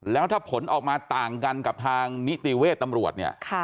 แล้วถ้าผลออกมาต่างกันกับทางนิติเวชตำรวจเนี่ย